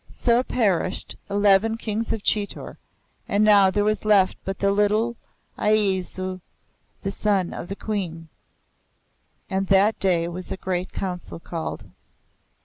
So perished eleven Kings of Chitor, and now there was left but the little Ajeysi, the son of the Queen. And that day was a great Council called.